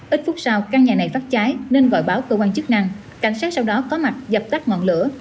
ít phút sau căn nhà này phát cháy nên gọi báo cơ quan chức năng cảnh sát sau đó có mặt dập tắt ngọn lửa